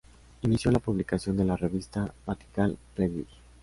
Inició la publicación de la revista "Mathematical Reviews".